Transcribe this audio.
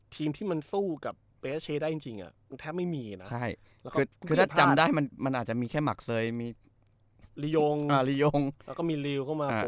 ทีมที่มันสู้กับเป้เชียได้จริงเนี่ย